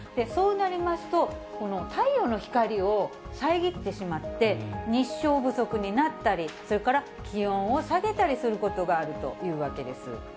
そうなりますと、太陽の光を遮ってしまって、日照不足になったり、それから気温を下げたりすることがあるということです。